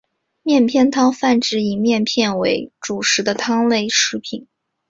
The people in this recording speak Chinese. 面片汤泛指以面片为主食的汤类食品。